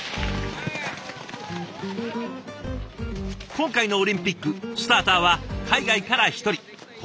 今回のオリンピックスターターは海外から１人国内からは７人。